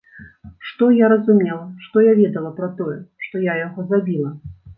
Што я разумела, што я ведала пра тое, што яго забіла?